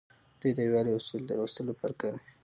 دوی د یووالي او سولې د راوستلو لپاره کار کوي.